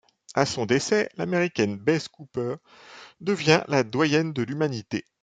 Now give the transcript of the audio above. À son décès, l'américaine Besse Cooper devient la doyenne de l'humanité.